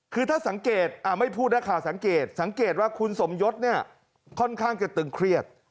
คือถ้าสังเกตไม่พูดนักข่าวสังเกตสังเกตว่าคุณสมยศเนี่ยค่อนข้างจะตึงเครียด